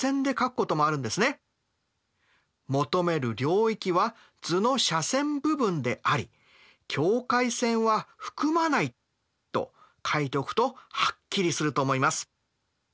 「求める領域は図の斜線部分であり境界線は含まない」と書いておくとはっきりすると思います。